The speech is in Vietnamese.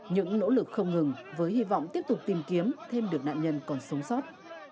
những nỗ lực không ngừng với hy vọng tiếp tục tìm kiếm thêm được nạn nhân còn sống sót